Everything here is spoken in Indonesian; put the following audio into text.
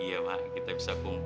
namanya siapa pok